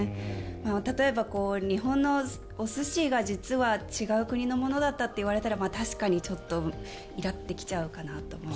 例えば、日本のお寿司が実は違う国のものだったって言われたら確かにちょっとイラッて来ちゃうかなと。